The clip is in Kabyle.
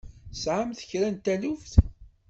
Tesɛamt kra n taluft?